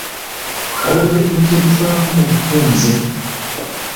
Kawere ne kye lufaako mu bufunze